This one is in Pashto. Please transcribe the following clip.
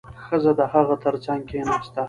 ښځه د هغه تر څنګ کېناسته.